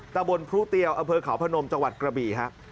แต่บนพรุเตียวอเภอขาวพนมจังหวัดกระบีครับ